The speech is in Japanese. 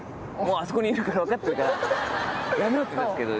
あそこにいるから分かってるからやめようっつったんですけど。